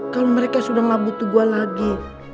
kalo mereka sudah mabuti gua lagi